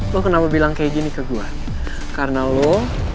lu kenapa bilang kaya gini ke gue karena lu